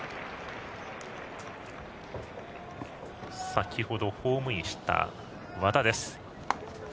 先ほど、ホームインした和田です。